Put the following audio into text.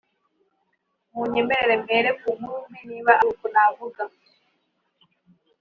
Munyemerere mpere ku ‘nkuru mbi’ niba ariko navuga